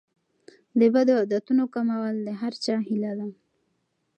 د بدو عادتونو کمول د هر چا هیله ده.